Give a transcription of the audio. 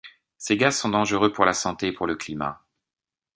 Ces gaz sont dangereux pour la santé et pour le climat.